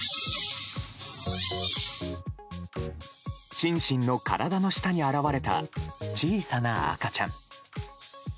シンシンの体の下に現れた小さな赤ちゃん。